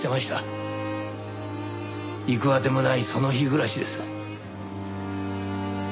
行く当てもないその日暮らしです。